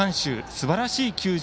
すばらしい球場